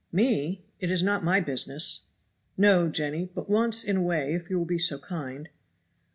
"Me! it is not my business." "No, Jenny! but once in a way if you will be so kind."